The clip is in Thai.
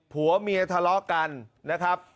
ผัวเมียทะเลาะกันนะครับ